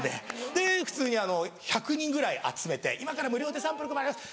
で普通に１００人ぐらい集めて「今から無料でサンプル配ります」